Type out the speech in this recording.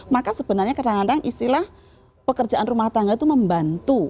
maka sebenarnya kadang kadang istilah pekerjaan rumah tangga itu membantu